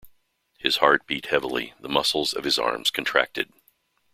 His heart beat heavily, the muscles of his arms contracted.